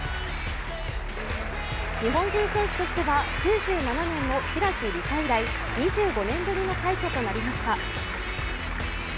日本人選手としては９７年の平木理化以来２５年ぶりの快挙となりました。